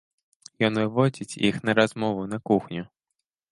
Ён выводзіць іх на размову на кухню.